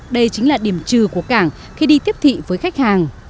đây chính là điểm trừ của cảng khi đi tiếp thị với khách hàng